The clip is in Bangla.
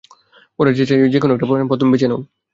ওরা যে চায় যে কোন একটা পথ তুমি বেছে নাও।